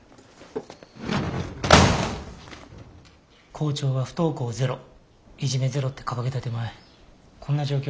校長は不登校ゼロいじめゼロって掲げた手前こんな状況